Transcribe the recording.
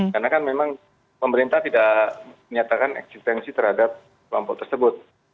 karena kan memang pemerintah tidak menyatakan eksistensi terhadap kelompok tersebut